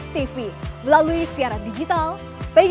dan akan melakukan open house juga pak